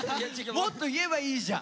もっと言えばいいじゃん！